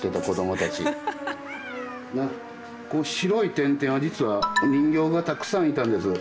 白い点々は実は人形がたくさんいたんです。